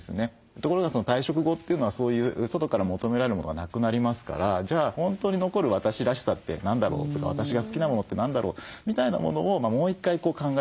ところが退職後というのはそういう外から求められるものがなくなりますからじゃあ本当に残る私らしさって何だろう？とか私が好きなものって何だろう？みたいなものをもう１回考え直す。